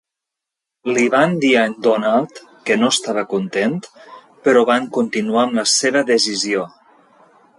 Li van dir a en Donald, que no estava content, però van continuar amb la seva decisió.